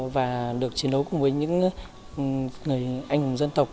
và được chiến đấu cùng với những người anh hùng dân tộc